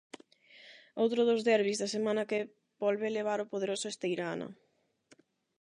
Outro dos derbis da semana que volve levar o poderoso Esteirana.